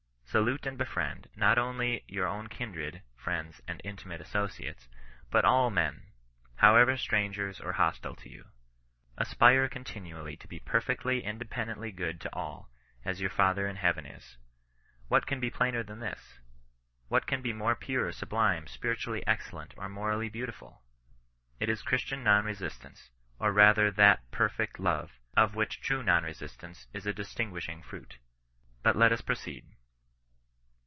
Salute and befriend, not only your own kindred, friends, and intimate associates, but all men, however strangers or hostile to you. Aspire continually to be perfectly, independently good to all, as your Father in heaven is. What can be plainer than this? What can be more pure, sublime, spiritually excellent, or morally beautiful ! It is Christian non resistance ; or rather that perfect love, of which true non resistance is a distinguishing fruit. But let us proceed.